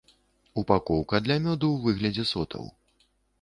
Упакоўка для мёду ў выглядзе сотаў.